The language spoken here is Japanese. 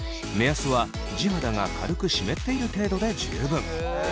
目安は地肌が軽く湿っている程度で十分。